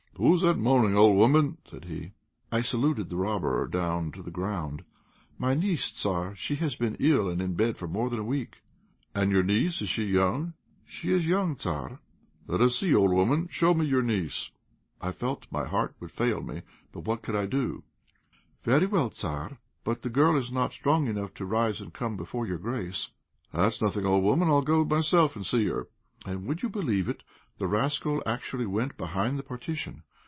"'Who is that moaning, old woman?' said he. "I saluted the robber down to the ground. "'My niece, Tzar; she has been ill and in bed for more than a week.' "'And your niece, is she young?' "'She is young, Tzar.' "'Let us see, old woman; show me your niece.' "I felt my heart fail me; but what could I do? "'Very well, Tzar; but the girl is not strong enough to rise and come before your grace.' "'That's nothing, old woman; I'll go myself and see her.' "And, would you believe it, the rascal actually went behind the partition.